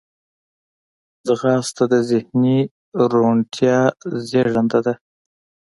ځغاسته د ذهني روڼتیا زیږنده ده